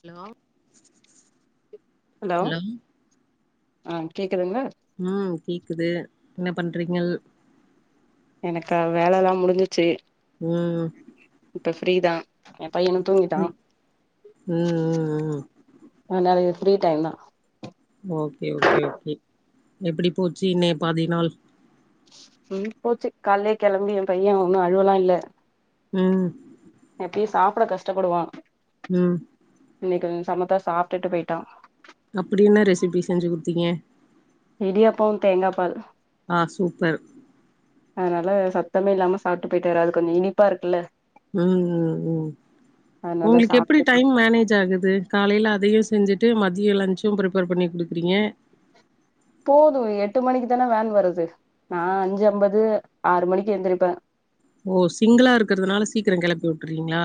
Hello hello ஆ கேட்குதுங்களா ஆ கேக்குது என்ன பண்றீங்கள் எனக்கா வேலல்லா முடிஞ்சிச்சு ம் இப்ப ஃப்ரீதா ஏ பையனும் தூங்கிட்டா ம் ம் ம் அதனால இது ஃப்ரீ டைம் தா ஓகே ஓகே ஓகே எப்படி போச்சு இன்னைய பாதி நாள் உம் போச்சு கால்லே கெளம்பி எம் பைய ஒன்னு அழுவலா இல்ல ம் எப்பயு சாப்பிட கஷ்டப்படுவா ம் இன்னைக்கு அவெ சமத்தா சாப்டுட்டு போய்ட்டா அப்டி என்ன ரெசிபி செஞ்சு குடுத்தீங்க இடியாப்ப தேங்கா பால் ஆ சூப்பர் அதுனால சத்தமே இல்லாம சாப்ட்டு போயிட்டாரு அது கொஞ்ச இனிப்பா இருக்குல்ல ம் அதனால உங்களுக்கு எப்டி சாப்ட்டு டைம் மேனேஜ் ஆகுது காலையில அதையு செஞ்சுட்டு மதிய லன்சு ப்ரிப்பேர் பண்ணி குடுக்குறீங்க போது எட்டு மணிக்கு தானே வேன் வருது நா அஞ்சு ஐம்பது ஆறு மணிக்கு எந்திரிப்பே ஓ சிங்குளா இருக்குறதுனால சீக்கிர கெளப்பி வுட்றீங்களா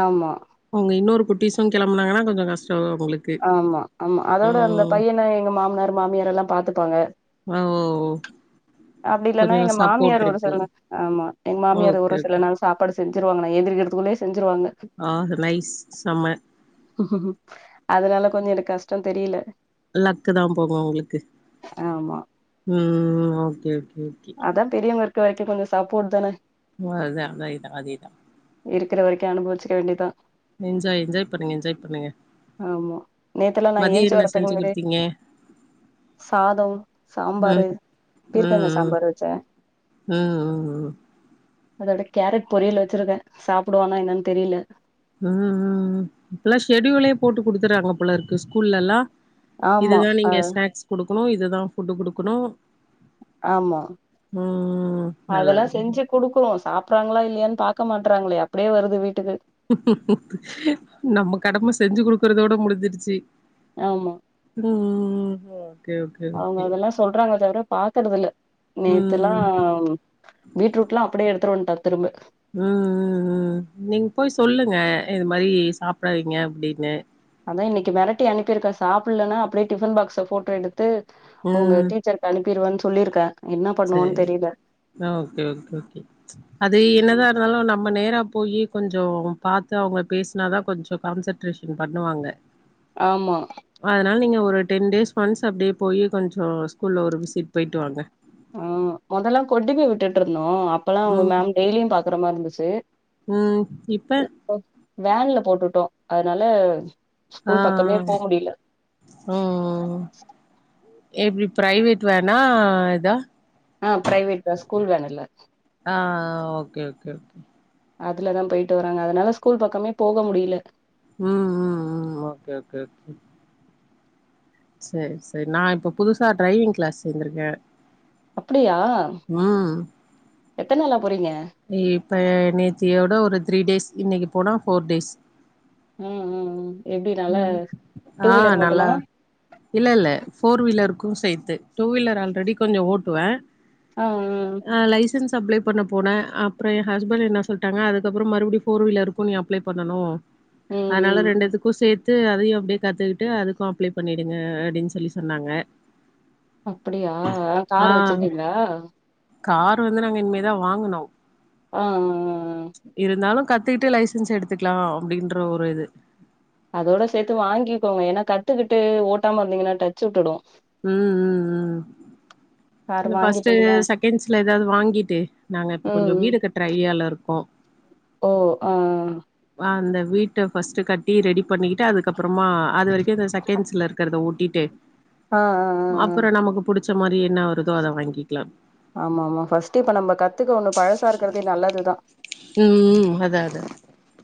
ஆமா உங்க இன்னோரு குட்டிஸு கெளம்புனாங்கன்னா கொஞ்ச கஷ்டோ உங்களுக்கு ஆமா ஆமா அதோட அந்த ம் பையன எங்க மாமனார் மாமியார் எல்லா பாத்துப்பாங்க ஓ ஓ ஓ அப்டி இல்லன்னா எங்க மாமியார் ஒரு இருக்கு சில நா ஆமா எங்க மாமியார் ஓகே ஒரு ஓகே சில நாள் சாப்பாடு செஞ்சிருவாங்க நா எந்திரிக்கிறதுக்குள்ளயே செஞ்சிருவாங்க ஆ நைஸ் செம்ம அதனால கொஞ்ச எனக்கு கஷ்ட தெரியல லக்கு தா போங்க உங்களுக்கு ஆமா ம் ஓகே ஓகே ஓகே அதா பெரியவங்க இருக்க வரைக்கு கொஞ்ச சப்போர்ட் தானே ஓ அதா அதேத அதேதா இருக்குற வரைக்கு அனுபவிச்சிக்க வேண்டியதா என்ஜாய் என்ஜாய் பண்ணுங்க என்ஜாய் பண்ணுங்க ஆமா நேத்துலா நா மதிய ஏன்ச்சு என்ன வரதுக்கு செஞ்சு முன்னாடியே குடுத்தீங்க சாதொ சாம்பாரு ம் பீர்க்கங்கா ம் சாம்பாரு வச்சே ம் ம் ம் அதோட கேரட் பொரியல் வச்சிருக்கே சாப்புடுவானா என்னன் தெரியல ம் ம் இப்பல்லா ஷெடியூலே போட்டு குடுத்துறாங்க போலருக்கு ஸ்கூல்லல்லா ஆமா இதுதா அ நீங்க ஸ்நாக்ஸ் குடுக்குணு இதுதா ஃபுட்டு குடுக்குணு ஆமா அதெல்லா நல்லது நல்லது செஞ்சு குடுக்குறோ சாப்புறாங்களா இல்லயான் பாக்க மாட்றாங்களே அப்டியே வருது வீட்டுக்கு நம்ம கடம செஞ்சு குடுக்குறதோட முடிஞ்சிருச்சு ஆமா ம் ம் அவுங்க அதெல்லா சொல்றாங்களே தவிர பாக்குறதில்ல நேத்துலா ம் பீட்ரூட்லா அப்டியே எடுத்துட்டு வன்ட்டா திரும்ப ம் ம் ம் நீங்க போய் சொல்லுங்க இது மாரி சாப்பிட வைங்க அப்டின்னு அதா இன்னைக்கு மெரட்டி அனுப்பிருக்க சாப்புலன்னா அப்டியே டிஃபன் பாக்ஸ ஃபோட்டோ எடுத்து உங்க ம் டீச்சர் அனுப்பிருவேன் சொல்லிருக்கே சரி ஓகே ஓகே ஓகே அது ம் என்னதா இருந்தாலு நம்ம நேரா போயி கொஞ்சோ பாத்து அவுங்க பேசுனா தா கொஞ்ச கான்சன்ட்ரேஷன் பண்ணுவாங்க ஆமா அதுனால நீங்க ஒரு டென் டேஸ் ஒன்ஸ் அப்டியே போய் கொஞ்சோ ஸ்கூல்ல ஒரு விசிட் போயிட்டு வாங்க ஆமா மொதல்லா கொடிவேரி வித்துட்டு இருந்தோ அப்பெல்லா அவுங்க ம் மேம் டெய்லியு பாக்கற மாரி இருந்துச்சு ம் இப்ப வேன்ல போட்டுட்டோ அதனால ஆ ஸ்கூல் பக்கமே போ முடில ம் எப்டி பிரைவேட் வேனா இதா ஆ பிரைவேட் பஸ் ஸ்கூல் வேன் இல்ல ஆ ஓகே ஓகே அதுலதா போயிட்டு வராங்க அதனால ஸ்கூல் பக்கமே போக முடில்ல ம் ம் ம் ஓகே ஓகே ஓகே சரி சரி நா இப்போ புதுசா டிரைவிங் கிளாஸ் சேந்துருக்கே அப்டியா ம் எத்தனாளா போறீங்க இப்ப நேத்தியோட ஒரு த்ரீ டேஸ் இன்னைக்கு போனா பஃபோர் டேஸ் ம் ம் ம் எப்டி நல்லா ம் டூ ஆ வீலர் மட்டுமா நல்லா இல்ல இல்ல ஃபோர் வீலருக்கு சேத்து டூ வீலர் ஆல்ரெடி கொஞ்சோ ஓட்டுவ ம் அ லைசன்ஸ் அப்ளே பண்ண போன அப்புற எ ஹஸ்பண்ட் என்ன சொல்ட்டாங்க அதுக்கப்புறம் மறுவடி ஃபோர் வீலருக்கு நீ அப்ளே பண்ணனு ம் அனால ரெண்டுதுக்கு சேத் து அதையு அப்டியே கத்துக்கிட்டு அதுக்கு அப்ளே பண்ணிடுங்க அப்டின் சொல்லி சொன்னாங்க அப்படியா அ காரு வச்சிருக்கீங்ளா காரு வந்து நாங்க இன்மே தா வாங்குனு ஆ இருந்தாலு கத்துக்கிட்டு லைசன்ஸ் எடுத்துக்லா அப்டின்ற ஒரு இது அதோட சேத்து வாங்கிக்கோங்க ஏன்னா கத்துக்கிட்டு ஓட்டாம இருந்தீங்கன்னா டச் விட்டுடு ம் ம் ம் கார் இல்ல ஃபஸ்ட்டு வாங்கிட்டீங்கன்னா செகண்ட்ஸ்ல ஏதாவ்து வாங்கிட்டு நாங்க இப்போ ம் கொஞ்சோ ம் வீடு கட்ற ஐடியால இருக்கோ ஓ ஆ ஆ அந்த வீட்ட ஃபஸ்ட்டு கட்டி ரெடி பண்ணிக்கிட்டு அதுக்கப் பறமா அது வரைக்கு இந்த செகண்ட்ஸ்ல இருக்கறத ஓட்டிட்டு ஆ ஆ ஆ ஆ அப்புற நமக்கு புடிச்ச மாரி என்ன வருதோ அத வாங்கிக்லா ஆமாமா ஃபஸ்ட்டு இப்ப நம்ப கத்துக்க ஒண்ணு பழசா இருக்கறதே நல்லது தா டி அதா அதா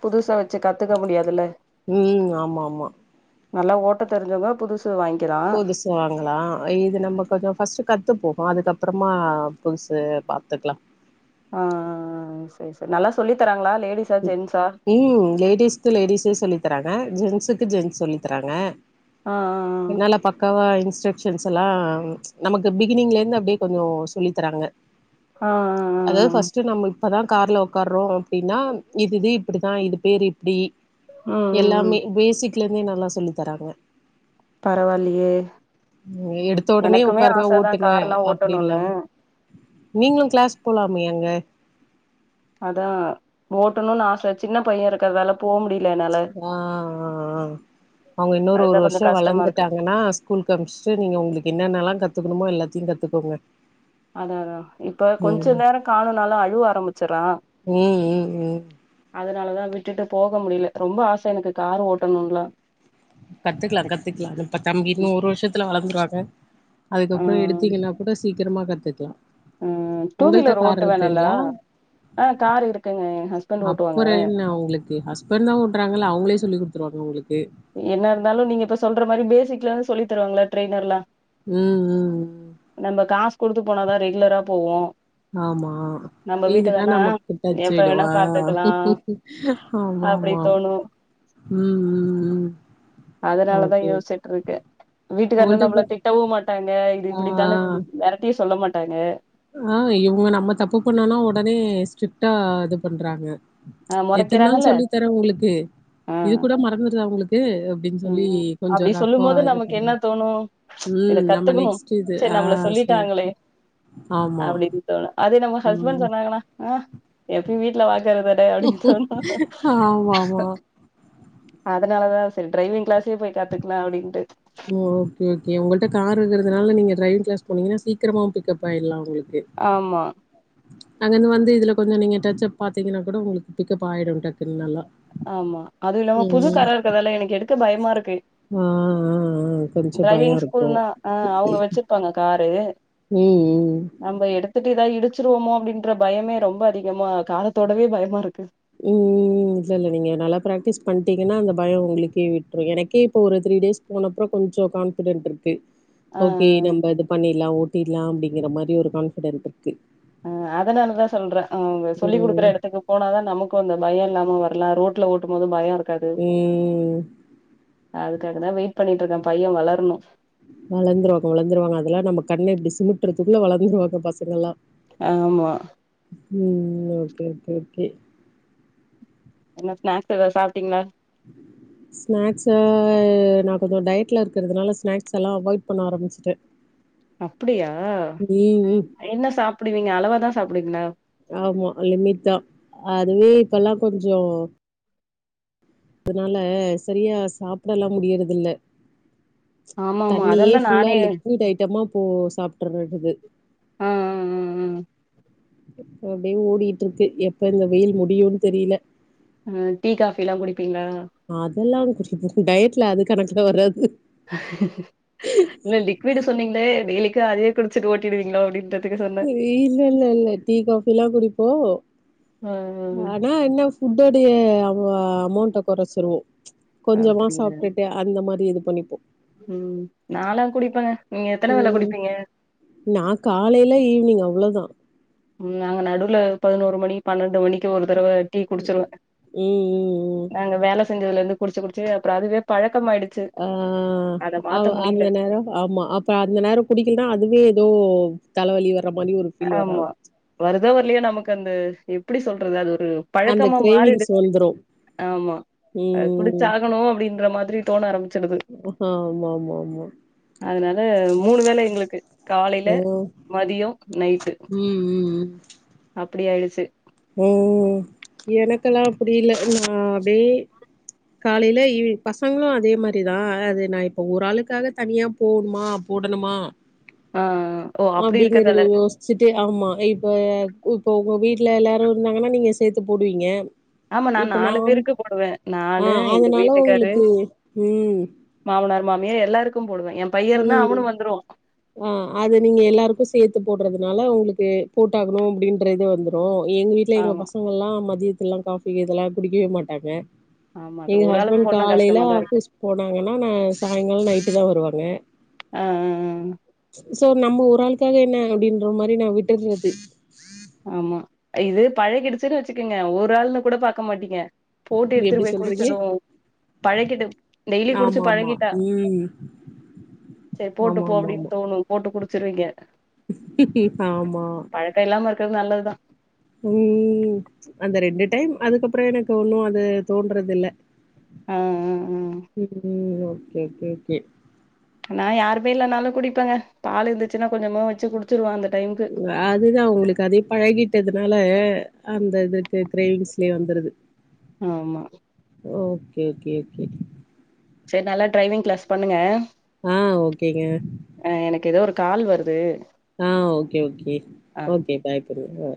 புதுசா வச்சு கத்துக்க முடியாதுல ம் ஆமாமா நல்லா ஓட்ட தெரிஞ்சவங்கோ புதுசு வாங்க்கிறா வாங்களா இது நம்ம கொஞ்சோ ஃபர்ஸ்ட்டு கத்துப்போ அதுக்கப்புறமா புதுசு பாத்துக்கலா ஆ செர் செர் நல்லா சொல்லி தராங்ளா லேடிஸா ஜென்ஸா ம் லேடிஸ்க்கு லேடீஸே சொல்லித்தராங்க ஜென்ஸுக்கு ஜென்ஸ் சொல்லி தராங்க ஆ என்னால்ல பா க்கவா இன்ஸ்ட்ரக்ஷன்ஸ்ல்லா நமக்கு பிகினிங்லேந்து அப்டியே கொஞ்சோ சொல்லி தராங்க ஆ ஆ ஆ ஆ ஆ ஆ அதாவ் ம் ஃபஸ்ட்டு நம்ம இப்பதா கார்ல உட்காறோ அப்டின்னா இதுது இப்டிதா இது பேரு இப்டி ம் ம் எல்லாமே பேஸிக் க்ல இருந்தே நல்லா சொல்லி தராங்க பரவால்லியே எடுத்த உடனே உக்காருங்க ஓட்டுங்க கார்லா அப்டி ஓட்டணுனு இல்லாம நீங்ளு கிளாஸ் போலாமே அங்க அதா ஓட்டணுன் ஆச சின்ன பைய இருக்கறதால போ முடில என்னா ஆ ஆ ஆ அவ்ங்க இன்னோரு அதுதா ஒரு கொஞ்ச வர்ஷோ கஷ்டமா இருக்கு வளந்துட்டாங்கன்னா ஸ்கூல்க் அம்ஸ்ட்டு நீங்க உங்ளுக் என்னென்னல்லா கத்துக்குணுமோ எல்லாத்தியு கத்துக்கோங்க அதா அதா இப்ப கொஞ்ச ம் நேரோ காணோனால அழுவ ஆரம்பிச்சர்றா ம் ம் ம் அதுனாலதா விட்டுட்டு போக முடில ரொம்ப ஆச எனக்கு காரு ஓட்டணுன்லா கத்துக்லா கத்துக்லா இப்ப தம்பி இன்னு ஒரு வர்ஷத்துல வளந்துருவாங்க ஆ அதுக்கப்பறோ எடுத் தீங்கனா கூட சீக்கிரமா கத்துக்லா ம் டூ வீலர் ஓட்டுவ நல்லா ஆ கார் இருக்குங்க எ ஹஸ் அப்பறோ என்ன உங்ளுக்கு ஹஸ்பண்ட் தா ஓட்றாங்கல்ல அவுங்ளே சொல்லி் குட்த்துருவாங்க உங்ளுக்கு என்ன இருந்தாலு நீங்க இப்ப சொல்ற மாரி பேசிக்லந் சொல்லி தருவாங்ளா ட்ரைனர்லா ம் ம் ம் நம்ப காஸ் குடுத்து போனாதா ரெகுலரா போவோ ஆமா நம்ம இதுன்னா வீட்டுக்கார்லா நமக்கு டச் எப்ப விடு வேணா ஆ பாத்துக்கலா ஆமா அப்டி ஆமா தோணு ம் ம் ம் அதுனாலதா ஓகே யோஸ்ச்சிட்ருக்கே வீட்டுக்காரனு உங்கள்ட்ட நம்மள இப்ப திட்டவு மாட்டாங்க இது ஆ இப்பிடி தானு மெரட்டியு சொல்ல மாட்டாங்க ஆ இவுங்க நம்ம தப்பு பண்ணோனா உடனே ஸ்ட்ரிட்டா இது பண்றாங்க ஆ எத்தன் நாள் மொறைக்கிறாங்கல்ல சொல்லி தரே உங்ளுக்கு ஆ இது கூட மறந்துருதா உங்ளுக்கு அப்டின் ம் சொல்லி ம் கொஞ்சோ அப்டி சொல்லும் ரஃப்ஃபா போது இது நமக்கு என்ன பண்றாங் தோணு இத ம் நம்ம கத்துக்கணு நெக்ஸ் சிது சரி ஆ நம்மள சேரி சொல்லிட்டாங்களே ஆமா அப்டின்னு தோணு அதே நம்ம ஹஸ்பண்ட் ம் சொன்னாங்கனா ஆ எப்பயு வீட்ல பாக்கற தான அப்டின் சொன்னா ஆமா ஆமா அதனால தா செரி ட்ரைவிங் க்ளாஸே போய் காத்துக்கலா அப்டின்ட்டு ம் ஓகே ஓகே உங்கள்ட்ட கார் இருக்கறதுனால நீங்க ட்ரைவிங் க்ளாஸ் போனீங்கனா சீக்கிரமாவு பிக்கப் ஆயிர்லா உங்ளுக்கு ஆமா அங்கர்ந்து வந்து இதுல கொஞ்சோ நீங்க டச்சப் பாத்தீங்கன்னா கூட உங்ளுக்கு பிக்கப் ஆயிடு டக்குன் நல்லா ஆமா அது இல்லாம புது ம் கார இருக்கறதால எனக்கு எடுக்க பயமாருக்கு ஆ, ஆ, ஆ, கொஞ்சம் பயம் ட்ரைவிங் இருக்கும் ஸ்கூல்னா ஆ அவுங்க வெச்சிர்ப்பாங்க காரு ம் ம் நம்ம எடுத்துட்டு எதா இடிச்சிருவமோ அப்டின்ற பயமே ரொம்ப அதிகமா கார தொடவே பயமாருக்கு ம் ம் ம் இல்லல்ல நீங்க நல்லா ப்ராக்டீஸ் பண்ட்டீங்கன்னா அந்த பயோ உங்ளுக்கே விட்ரு எனக்கே இப்ப ஒரு த்ரீ டேஸ் போனப்றோ கொஞ்சோ கான்ஃபிடென்ட்ருக்கு ஆ ஓகே நம்ப இது பண்ணீர்லா ஓட்டீர்லா அப்டிங்கிற மாரி ஒரு கான்ஃபிடென்ட்ருக்கு ஆ அதனாலதா சொல்றே அவுங்க சொல்லி ம், குடுக்கற எடத்துக்கு போனாதா நமக்கு அந்த பயோ இல்லாம வரலா ரோட்ல ஓட்டும்போது பயோ இருக் ம் அதுக்காக தா வெய்ட் பண்ணிட்ருக்கே பைய வளர்ணு வளந்துருவாங்க வளந்துருவாங்க அதெல்லா நம்ம கண்ண இப்டி சிமிட்றத்துக்குள்ள வளந்துருவாங்க பசங்கல்லா ஆமா ம் ஓகே ஓகே ஓகே என்ன ஸ்நாக்ஸ் எதாது சாப்ட்டீங்களா ஸ்நாக்ஸ நா கொஞ்சோ டயட்ல இருக்கிறதுனால ஸ்நாக்ஸ் எல்லா அவாய்ட் பண்ண ஆரமிஸ்ட்ட அப்டியா ம். என்ன சாப்பிடுவீங்க அளவாதா சாப்புடுவிங்ளா ஆமா லிமிட்தா அதுவே இப்பல்லா கொஞ்சோ அதுனால சரியா சாப்டலா முடியறதில்ல ஆமா ஆமா தண்ணியே அதாலதா ஃபுல்லா நானே லிக்யூட் ஐட்டமா போ சாப்ட்றமாய்டுது ஆ ஆ அ அ போ அப்டே ஓடிகிட்ருக்கு எப்ப இந்த வெயில் முடியூன் தெரில அ டீ காஃபிலா குடிப்பீங்ளா அதெல்லா குடுப்போ டயட்ல அது கணக்குல வராது இல்ல லிக்விடு சொன்னீங்ளே டெய்லிக்கு அதையே குடிச்சுட்டு ஓட்டிடுவீங்ளோ அப்டின்தா இல்ல இல்ல இல்ல டீ காஃபிலா குடிப்போ பரவால்ல ஆ என்ன ஃபுட்டோடய அமா அமோண்ட்ட கொறச்சிர்வே ஆ கொஞ்சமா அப்டியா சாப்ட்டுட்டு அந்த மாரி இது பண்ணிப்போ ம் நாலா குடிப்பங்க நீங்க எத்தன வேல குடிப்பீங்க நான் காலேல ஈவ்னிங் அவ்ளோதா ம் நாங்க நடுல பதுனோருமணி பன்னெண்டு மணிக்கு ஒரு தடவ டீ குடிச்சிருவ ம் ம் ம் நாங்க வேல செஞ்சதுல இருந்து குடிச்சு குடிச்சு அப்புறோ அதுவே பழக்கமாய்டு ஆ ஆமா அந்த நேரம் ஆமா அ ப்ப அந்த நேரோ குடிக்கல்னா அதுவே எதோ தலவலி வர்ற மானி ஒரு ஃபீல் வர ஆமா ஆரம் வருதோ வர்லையோ நமக்கு அந்த எப்புடி சொல்றது அது ஒரு அந்த பழக்கமா கிரேவிங்ஸ் மாறிடுச்சு வந்துரு ஆமா அது ம் குடிச்சாகணு அப்டின்ற மாதிரி தோன ஆரமிச்சுடுது ஆ ஆமாம்மாம்மா அதுனால மூணு வேல எங்ளுக்கு காலேல ஓ மதியோ நைட்டு ம் ம் அப்டி ஆய்டுச்சு ஓ எனக்கெல்லா அப்புடி இல்ல நா அப்டே காலேல ஈவினிங்க பசங்களு அதே மாரிதா ஆனா அது நா இப்ப ஒரு ஆளுக்காக தனியா போணுமா போடணுமா ஆ ஓ அப்டி இருக்கதால அப்டிங்கிறத யோஸ் சிட்டு ஆமா இப்போ உப்போ உங்க வீட்ல எல்லாரு இருந்தாங்கனா நீங்க சேத்து போடுவீங்க ஆமா நா இப்ப நாலு நாம் பேருக்கு போடுவே ஆ நானு எங்க அதுனால வீட்டுக்காரு உங்ளுக்கு ம் மாமனார் மாமியார் எல்லாருக்கும் போடுவ என் பையன் இருந்தா ம் அவனு வந்துருவா ஆ அது நீங்க எல்லாருக்கு சேத்து போட்றதுனால உங்ளுக்கு போட்டாகணு அப்டின்ற இது வந்து ரு எங் வீட்ல எங்க ஆமா பசங்கள்லா மதியத்துலா காஃபி இதெல்லா குடிக்கவே மாட்டாங்க ஆமா அது எங்க ஒரு ஆளுக்கு ஹஸ்பண்ட் போட்னா காலேல கஷ்டமாதா இருக்கு ஆபீஸ் போனாங்கனா நா சாயங்காலோ நைட்டுதா வருவாங்க ஆ அ சோ நம்ம ஒரு ஆளுக்காக என்ன அப்டின்ற மாரி நா விட்டுர்றது ஆமா இது பழகிடுச்சுன் வச்சுக்குங்க ஒரு ஆள்ன்னு கூட பாக்க மாட்டீங்க போட்டு எடுத்துட்டு எப்டி போய் சொல்றீங்க குடிக்கணு பழகிடும் டெய்லி குடிச்சு ஆமா ஆமா பழகிட்டா ம் சேர் ஆமா போட்டுபோ ஆமா அப்டின் ஆமா தோணு போட்டு குடிச்சிர்வீங்க ஆமா பழக் க இல்லாம இருக்கற்து நல்லதுதா உம் அந்த ரெண்டு டைம் அதுக்கப்புறோ எனக்கு ஒன்னு அது தோன்றது இல்ல ஆ ஆ ம் உம் ஓகே கே கே நா யாருமே இல்லனாலு குடிப்பேங்க பால் இருந்துச்சுன்னா கொஞ்சமா வச்சு குடிச்சிருவா அந்த டைம்முக்கு அதுதா ஒங்களுக்கு அதை பழகிட்டதுனால அந்த இதுக்கு கிரேவிங்ஸ்லயே வந்துருது ஆமா ஓ கே கே கே சேர் நல்லா டிரைவிங் கிளாஸ் பண்ணுங்க ஆ ஓகேங்க ஆ எனக்கு ஏதோ ஒரு கால் வர்து ஆ okay okay okay bye Brew ஆ